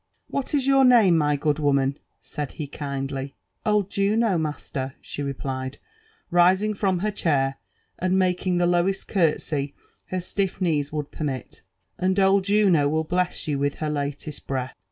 " What is your same, my good woman f ' said he kindly. '* Old Jttno> master," she replied, rising from her chair and making the lowest cartsey her stiff kneel would permit ; and old Juno will Meia you with her latest breath."